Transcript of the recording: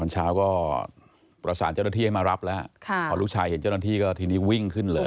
เจ้าหน้าที่ให้มารับแล้วครับพอลูกชายเห็นเจ้าหน้าที่ก็ทีนี้วิ่งขึ้นเลย